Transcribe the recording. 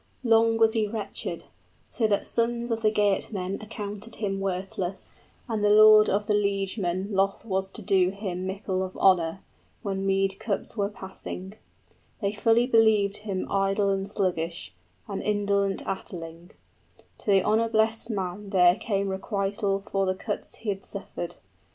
Long was he wretched, So that sons of the Geatmen accounted him worthless, 40 And the lord of the liegemen loth was to do him Mickle of honor, when mead cups were passing; They fully believed him idle and sluggish, {He is requited for the slights suffered in earlier days.} An indolent atheling: to the honor blest man there Came requital for the cuts he had suffered.